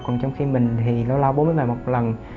còn trong khi mình thì lâu lâu bố mới về một lần